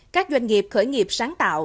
các doanh nghiệp khởi nghiệp sáng tạo